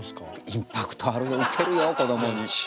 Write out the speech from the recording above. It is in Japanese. インパクトあるよウケるよこどもに。